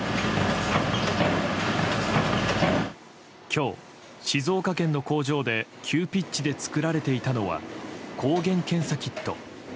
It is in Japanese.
今日、静岡県の工場で急ピッチで作られていたのは抗原検査キット。